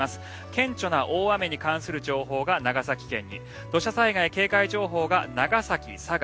顕著な大雨に関する情報が長崎県に土砂災害警戒情報が長崎、佐賀